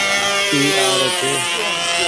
اي آرو ڇي۔